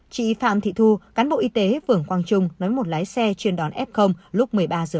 chị phạm thị thu cán bộ y tế vườn quang trung nói một lái xe chuyên đón f lúc một mươi ba h ba mươi